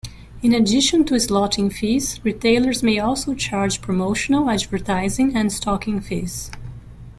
In addition to slotting fees, retailers may also charge promotional, advertising and stocking fees.